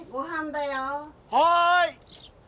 はい！